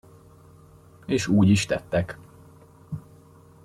És úgy is tettek.